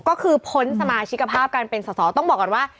ก็คือพ้นสมาชิกภาพการเป็นสอสอต้องบอกก่อนว่า